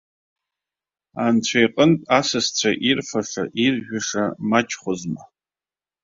Анцәа иҟнытә, асасцәа ирфаша-иржәыша мачхәызма!